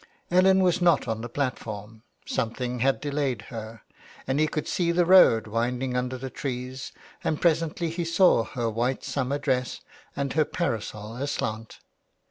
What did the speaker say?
Ellen was not on the platform ; something had delayed her, and he could see the road winding under trees, and presently he saw her white summer dress and her parasol aslant.